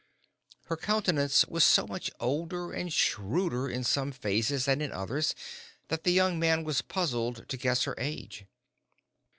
Her countenance was so much older and shrewder in some phases than in others that the young man was puzzled to guess her age.